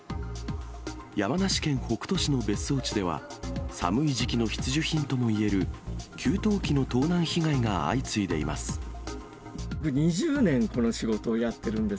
山梨県北杜市の別荘地では、寒い時期の必需品ともいえる給湯器の盗難被害が相次いでいます。